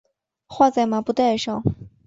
画在麻布袋上